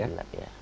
masih gelap ya